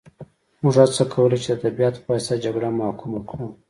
موږ هڅه کوله چې د ادبیاتو په واسطه جګړه محکومه کړو